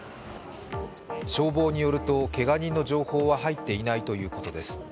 消防によるとけが人の情報は入っていないということです。